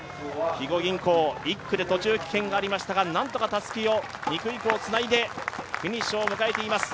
肥後銀行、１区で途中棄権がありましたが、何とかたすきを２区以降つないでフィニッシュを迎えています。